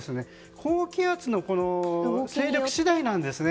高気圧の勢力次第なんですね。